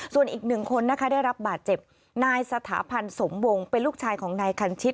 ส่วนอีกหนึ่งคนนะคะได้รับบาดเจ็บนายสถาพันธ์สมวงเป็นลูกชายของนายคันชิต